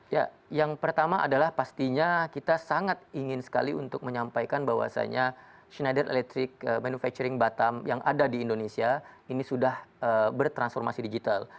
ya yang pertama adalah pastinya kita sangat ingin sekali untuk menyampaikan bahwasannya schneider electric manufacturing batam yang ada di indonesia ini sudah bertransformasi digital